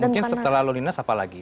mungkin setelah lolinus apa lagi